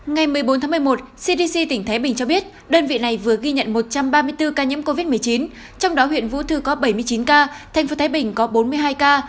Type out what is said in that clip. ngày một mươi bốn tháng một mươi một cdc tỉnh thái bình cho biết đơn vị này vừa ghi nhận một trăm ba mươi bốn ca nhiễm covid một mươi chín trong đó huyện vũ thư có bảy mươi chín ca thành phố thái bình có bốn mươi hai ca